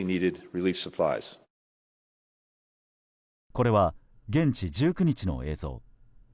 これは現地１９日の映像。